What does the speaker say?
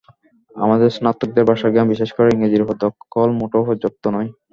আমাদের স্নাতকদের ভাষাজ্ঞান, বিশেষ করে ইংরেজির ওপর দখল মোটেও পর্যাপ্ত নয়।